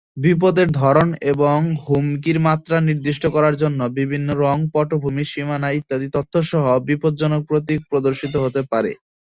বিপদের ধরন এবং হুমকির মাত্রা নির্দিষ্ট করার জন্য বিভিন্ন রঙ, পটভূমি, সীমানা ইত্যাদি তথ্য সহ বিপজ্জনক প্রতীক প্রদর্শিত হতে পারে।